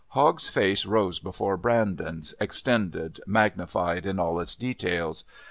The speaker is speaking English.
Hogg's face rose before Brandon's, extended, magnified in all its details.